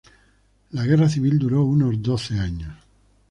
La guerra civil duró unos doce años.